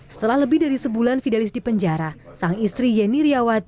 setelah lebih dari sebulan fidelis dipenjara sang istri yeni riawati mengembuskan